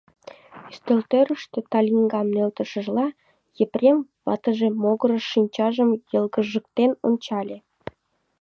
Ӱстелтӧрыштӧ талиҥгам нӧлтышыжла, Епрем ватыже могырыш шинчажым йылгыжыктен ончале.